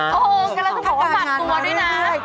โอ้โฮแล้วจะบอกว่าผ่านตัวด้วยนะ